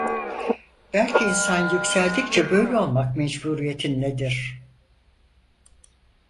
Belki insan yükseldikçe böyle olmak mecburiyetindedir.